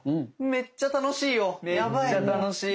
めっちゃ楽しい。